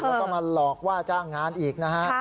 แล้วก็มาหลอกว่าจ้างงานอีกนะฮะ